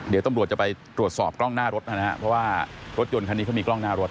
เดี๋ยวตำรวจจะไปตรวจสอบกล้องหน้ารถนะครับเพราะว่ารถยนต์คันนี้เขามีกล้องหน้ารถ